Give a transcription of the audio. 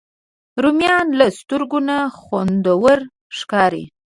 رومیان له سترګو نه خوندور ښکاري